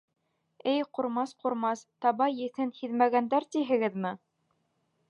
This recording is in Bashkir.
Эй ҡурмас, ҡурмас... таба еҫен һиҙмәгәндәр тиһегеҙме?